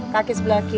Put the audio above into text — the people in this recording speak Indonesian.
kaki sebelah kiri